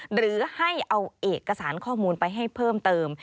หรือให้เอาเอกสารข้อมูลไปให้เพิ่มเติม